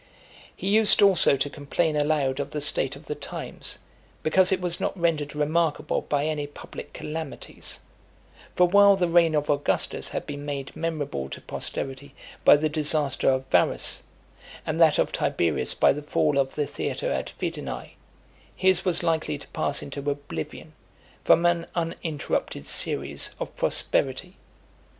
XXXI. He used also to complain aloud of the state of the times, because it was not rendered remarkable by any public (274) calamities; for, while the reign of Augustus had been made memorable to posterity by the disaster of Varus , and that of Tiberius by the fall of the theatre at Fidenae , his was likely to pass into oblivion, from an uninterrupted series of prosperity.